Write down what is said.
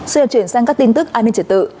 xin được chuyển sang các tin tức an ninh trật tự